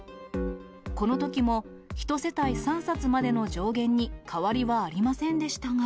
このときも、１世帯３冊までの上限に変わりはありませんでしたが。